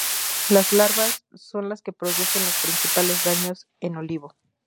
Las larvas son las que producen los principales daños en olivo.